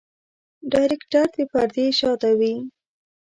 ډايرکټر د پردې شاته وي.